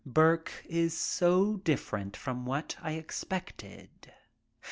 Burke is so different from what I expected.